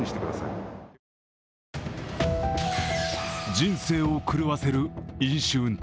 人生を狂わせる飲酒運転。